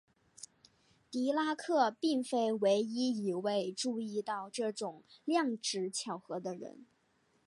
狄拉克并非唯一一位注意到这种量值巧合的人。